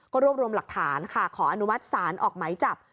ก็รวบรวมหลักฐานค่ะขออนุมัติศาลออกไหมจับ